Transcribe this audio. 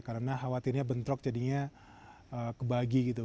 karena khawatirnya bentrok jadinya kebagi gitu